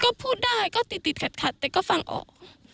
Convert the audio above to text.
ก็พูดได้ก็ติดขัดแต่ก็ฟังออก